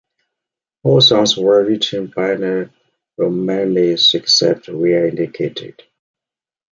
All songs were written by the Ramones except where indicated.